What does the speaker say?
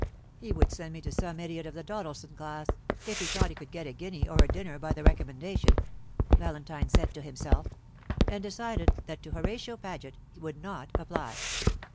"He would send me to some idiot of the Doddleson class, if he thought he could get a guinea or a dinner by the recommendation," Valentine said to himself, and decided that to Horatio Paget he would not apply.